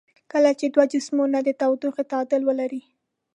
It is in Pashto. کله چې دوه جسمونه د تودوخې تعادل ولري.